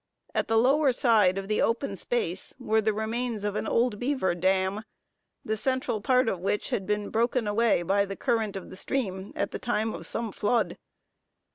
At the lower side of the open space were the remains of an old beaver dam, the central part of which had been broken away by the current of the stream at the time of some flood.